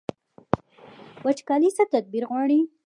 وچکالي څه تدبیر غواړي؟